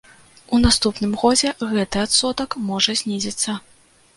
У наступным годзе гэты адсотак можа знізіцца.